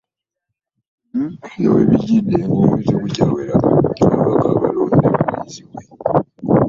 Bino we bijjidde ng'omwezi tegukyawera ababaka abalonde balayizibwe